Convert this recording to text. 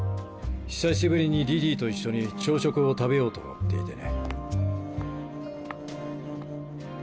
久しぶりにリリーと一緒に朝食を食べようと思っていてね。